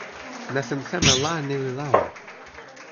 nasin seme la ni li lawa?